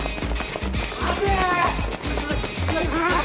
待て！